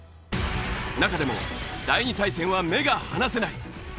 中でも第２対戦は目が離せない！